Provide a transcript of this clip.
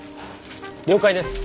了解です！